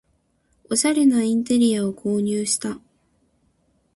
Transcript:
おしゃれなインテリアを購入した